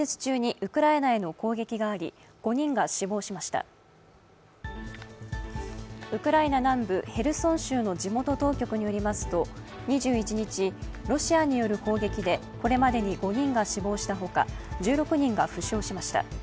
ウクライナ南部ヘルソン州の地元当局によりますと２１日、ロシアによる砲撃でこれまでに５人が死亡したほか、１６人が負傷しました。